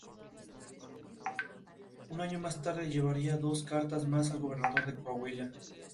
May es personaje alegre, dramática y segura de sí misma.